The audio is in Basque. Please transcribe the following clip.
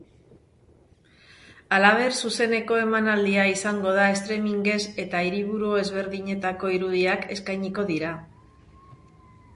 Halaber, zuzeneko emanaldia izango da streamingez eta hiriburu ezberdinetako irudiak eskainiko dira.